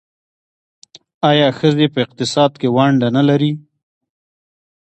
آیا ښځې په اقتصاد کې ونډه نلري؟